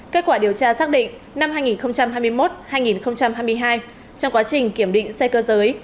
kết quả điều tra xác định năm hai nghìn hai mươi một hai nghìn hai mươi hai trong quá trình kiểm định xe cơ giới